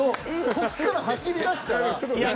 こっから走りだしたら。